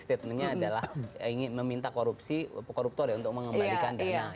statementnya adalah ingin meminta koruptor ya untuk mengembalikan dana